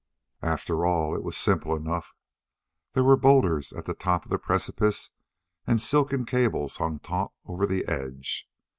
After all, it was simple enough. There were boulders at the top of the precipice and silken cables hung taut over the edge.